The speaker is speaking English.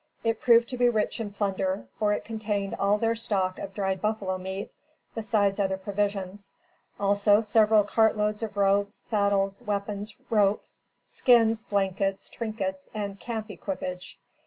It proved to be rich in plunder, for it contained all their stock of dried buffalo meat, besides other provisions. Also several cart loads of robes, saddles, weapons, ropes, skins, blankets, trinkets and camp equipage.